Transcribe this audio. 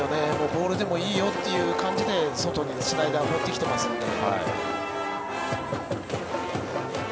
ボールでもいいよっていう感じで外にスライダーを放ってきていますので。